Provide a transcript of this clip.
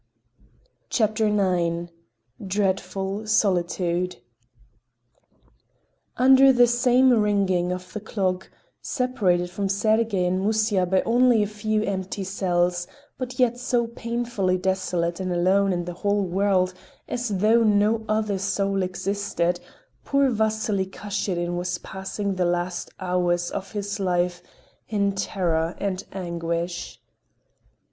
CHAPTER IX DREADFUL SOLITUDE Under the same ringing of the clock, separated from Sergey and Musya by only a few empty cells, but yet so painfully desolate and alone in the whole world as though no other soul existed, poor Vasily Kashirin was passing the last hours of his life in terror and in anguish.